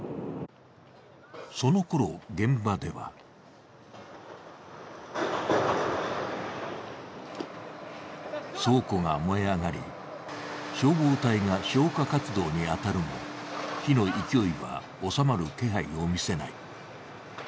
そのころ、現場では倉庫が燃え上がり、消防隊が消火活動に当たるも火の勢いは収まる気配を見せない。